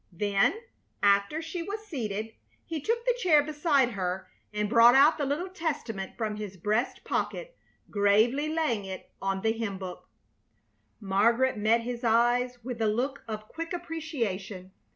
Then, after she was seated, he took the chair beside her and brought out the little Testament from his breast pocket, gravely laying it on the hymn book. Margaret met his eyes with a look of quick appreciation.